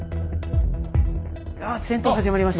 ああ戦闘始まりました。